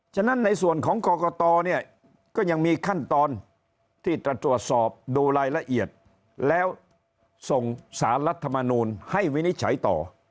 ฉะนั้นในส่วนของกรกตเนี่ยก็ยังมีขั้นตอนที่จะตรวจสอบดูรายละเอียดแล้วส่งสารรัฐมนูลให้วินิจฉัยต่อ